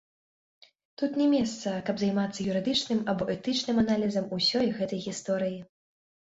Тут не месца, каб займацца юрыдычным або этычным аналізам усёй гэтай гісторыі.